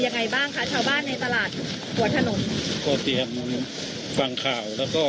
ยังไงบ้างคะชาวบ้านในตลาดหัวถนนก็เตรียมฟังข่าวแล้วก็